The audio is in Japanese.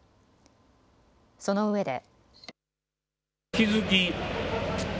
そのうえで。